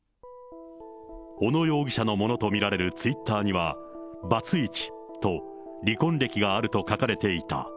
小野容疑者のものと見られるツイッターには、バツイチと、離婚歴があると書かれていた。